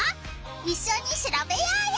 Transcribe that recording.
いっしょにしらべようよ！